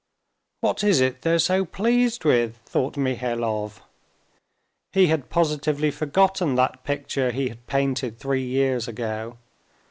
"What is it they're so pleased with?" thought Mihailov. He had positively forgotten that picture he had painted three years ago.